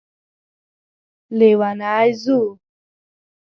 لیونی ځو